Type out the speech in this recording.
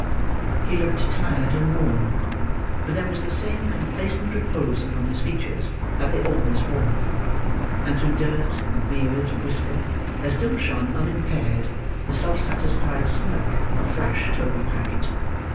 He looked tired and worn, but there was the same complacent repose upon his features that they always wore: and through dirt, and beard, and whisker, there still shone, unimpaired, the self satisfied smirk of flash Toby Crackit.